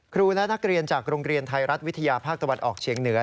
และนักเรียนจากโรงเรียนไทยรัฐวิทยาภาคตะวันออกเฉียงเหนือ